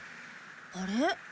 あれ？